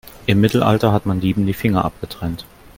Im Mittelalter hat man Dieben die Finger abgetrennt.